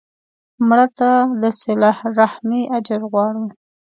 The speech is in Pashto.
مړه ته د صله رحمي اجر غواړو